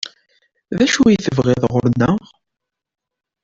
D acu i tebɣiḍ ɣur-neɣ?